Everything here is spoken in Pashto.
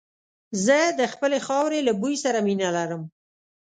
زه د خپلې خاورې له بوی سره مينه لرم.